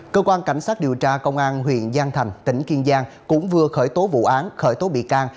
cơ quan cảnh sát điều tra công an huyện giang thành tỉnh kiên giang cũng vừa khởi tố vụ án khởi tố bị can